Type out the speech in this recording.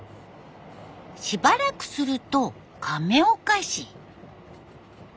しばらくすると亀岡市。